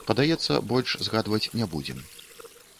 Падаецца, больш згадваць не будзем.